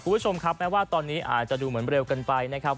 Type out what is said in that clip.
คุณผู้ชมครับแม้ว่าตอนนี้อาจจะดูเหมือนเร็วเกินไปนะครับ